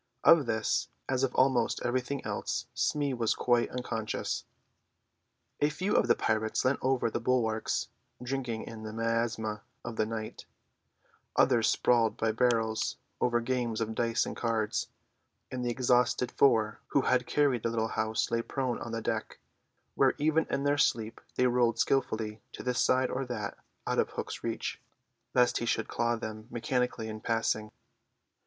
Of this, as of almost everything else, Smee was quite unconscious. A few of the pirates leant over the bulwarks, drinking in the miasma of the night; others sprawled by barrels over games of dice and cards; and the exhausted four who had carried the little house lay prone on the deck, where even in their sleep they rolled skillfully to this side or that out of Hook's reach, lest he should claw them mechanically in passing.